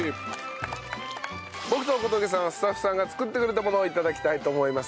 僕と小峠さんはスタッフさんが作ってくれたものを頂きたいと思います。